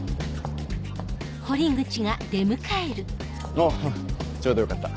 あぁちょうどよかった。